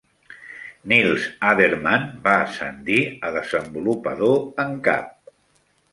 Nils Adermann va ascendir a Desenvolupador en cap.